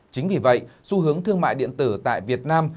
chính vì vậy xu hướng thương mại điện tử tại việt nam